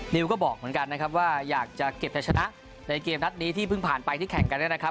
นิวก็บอกเหมือนกันนะครับว่าอยากจะเก็บจะชนะในเกมนัดนี้ที่เพิ่งผ่านไปที่แข่งกันเนี่ยนะครับ